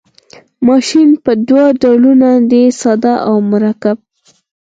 ماشین په دوه ډوله دی ساده او مرکب.